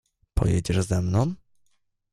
"Pojedziesz ze mną?"